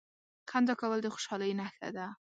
• خندا کول د خوشالۍ نښه ده.